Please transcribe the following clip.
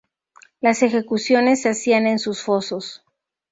Las ejecuciones se hacían en sus fosos.